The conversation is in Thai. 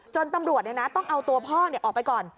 จนตำรวจเนี่ยนะต้องเอาตัวพ่อเนี่ยออกไปก่อน